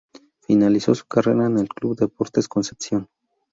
Finalizó su carrera en el club Deportes Concepción.